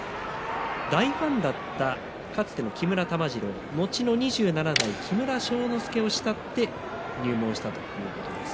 大ファンだったかつての木村玉治郎後の２７代木村庄之助を慕って入門したということです。